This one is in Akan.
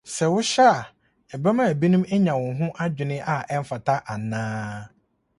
Sɛ wohyɛ a, ɛbɛma ebinom anya wo ho adwene a ɛmfata anaa?